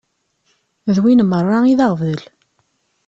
D win merra i d aɣbel.